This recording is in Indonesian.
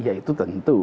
ya itu tentu